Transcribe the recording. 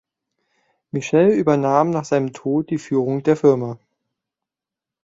Michel übernahm nach seinem Tod die Führung der Firma.